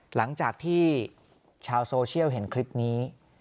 หลังจากที่ชาวโซเชียลเห็นคลิปนี้